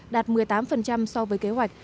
đạt một mươi tám so với kế hoạch